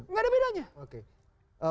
nggak ada bedanya